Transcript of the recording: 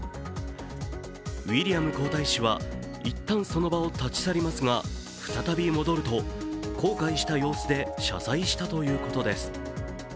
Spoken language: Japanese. ウィリアム皇太子はいったん、その場を立ち去りますが再び戻ると、後悔した様子で謝罪したということです。